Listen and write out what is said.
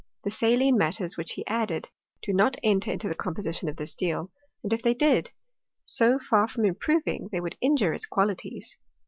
The saline matters which he added do not enter into the composition of steel ; and if they did, so far from improving, they would injure its qualities.